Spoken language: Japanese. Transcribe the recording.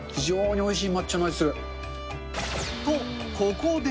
と、ここで。